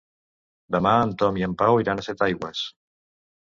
Demà en Tom i en Pau iran a Setaigües.